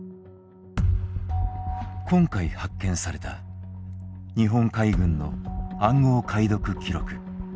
今回発見された日本海軍の暗号解読記録。